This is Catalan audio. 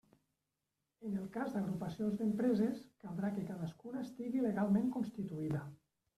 En el cas d'agrupacions d'empreses, caldrà que cadascuna estigui legalment constituïda.